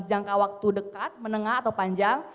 jangka waktu dekat menengah atau panjang